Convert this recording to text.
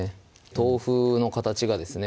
豆腐の形がですね